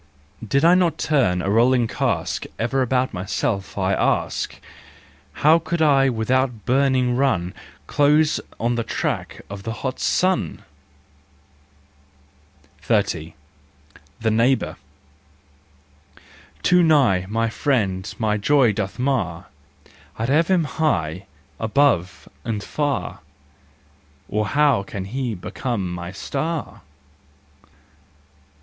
Did I not turn, a rolling cask, Ever about myself, I ask, How could I without burning run Close on the track of the hot sun ? 30 . The Neighbour . Too nigh, my friend my joy doth mar, I'd have him high above and far, Or how can he become my star